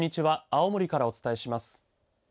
青森からお伝えします。